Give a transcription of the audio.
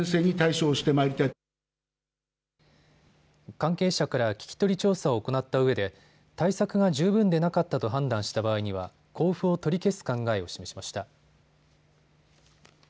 関係者から聞き取り調査を行ったうえで対策が十分でなかったと判断した場合には交付を取り消す考えを示しました。